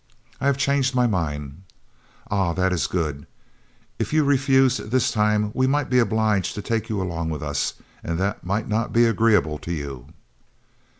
"I have changed my mind." "Ah! that is good. If you refused this time we might be obliged to take you along with us, and that might not be agreeable to you."